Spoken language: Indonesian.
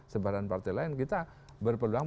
sebaran partai lain kita berpeluang